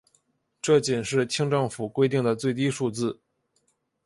这仅是清政府规定的最低数字。